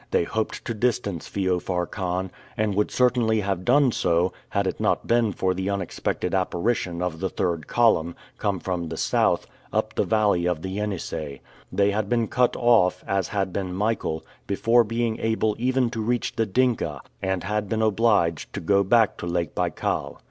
They hoped to distance Feofar Khan, and would certainly have done so, had it not been for the unexpected apparition of the third column, come from the South, up the valley of the Yenisei. They had been cut off, as had been Michael, before being able even to reach the Dinka, and had been obliged to go back to Lake Baikal.